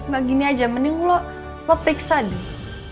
gak gini aja mending lo lo periksa deh